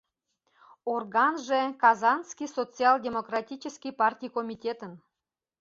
Органже — Казанский социал-демократический партий комитетын.